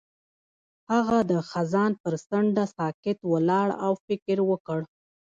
هغه د خزان پر څنډه ساکت ولاړ او فکر وکړ.